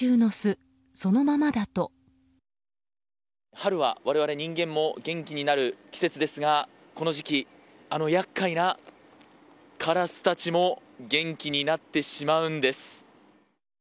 春は我々人間も元気になる季節ですがこの時期あの厄介なカラスたちも元気になってしまうんです。